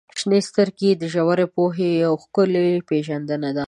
• شنې سترګې د ژورې پوهې یوه ښکلې پیژندنه ده.